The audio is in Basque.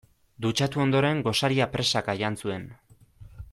Dutxatu ondoren gosaria presaka jan zuen.